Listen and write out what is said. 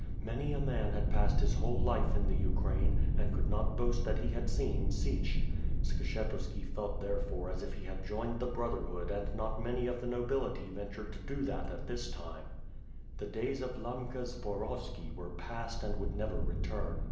Many a man had passed his whole life in the Ukraine, and could not boast that he had iseen Sich; Skshetuski felt therefore as if he had joined the brotherhood and not many of the nobility ventured to do that at this time. The days of Lamka Zboroski were past and would never return.